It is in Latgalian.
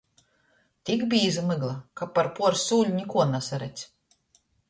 Tik bīza mygla, ka par puors sūļu nikuo nasaredz.